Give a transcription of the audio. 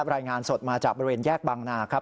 รายงานสดมาจากบริเวณแยกบางนาครับ